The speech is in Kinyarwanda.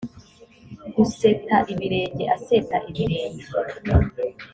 guseta ibirenge: aseta ibirenge